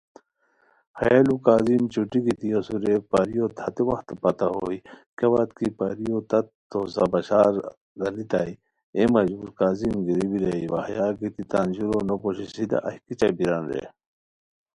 ہیہ لُو کاظم چھٹی گیتی اسور رے پریوتین ہتے وخت پتہ ہوئے کیہ وت کی پریوتت ہوسار بشار گانیتائے، ایے مہ ژور کاظم گیرو بیرائے، وا ہیہ گیتی تان ژورو نو پوشی سیدھا ایہہ کیچہ بیران رے